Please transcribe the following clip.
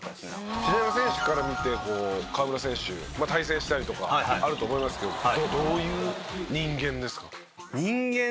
「篠山選手から見てこう河村選手対戦したりとかあると思いますけどどういう人間ですか？」